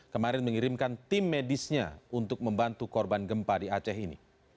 kemarin mengirimkan tim medisnya untuk membantu korban gempa di aceh ini